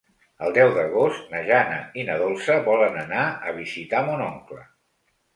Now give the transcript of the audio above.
El deu d'agost na Jana i na Dolça volen anar a visitar mon oncle.